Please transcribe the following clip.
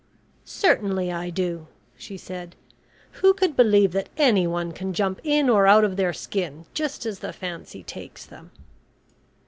"Certainly I do," she said. "Who could believe that anyone can jump in or out of their skin just as the fancy takes them?"